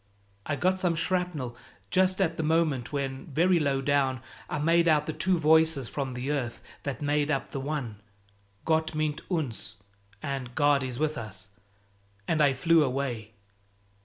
"I got some shrapnel just at the moment when, very low down, I made out the two voices from the earth that made up the one 'Gott mit uns!' and 'God is with us!' and I flew away."